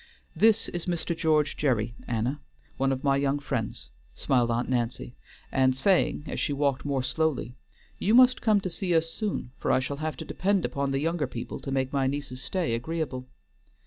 "This is Mr. George Gerry, Anna, one of my young friends," smiled Aunt Nancy, and saying, as she walked more slowly, "You must come to see us soon, for I shall have to depend upon the younger people to make my niece's stay agreeable."